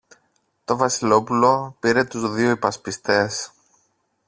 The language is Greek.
Το Βασιλόπουλο πήρε τους δυο υπασπιστές